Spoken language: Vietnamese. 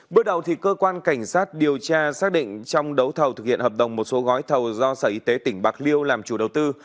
bước đầu cơ quan cảnh sát điều tra xác định trong đấu thầu thực hiện hợp đồng một số gói thầu do sở y tế tỉnh bạc liêu làm chủ đầu tư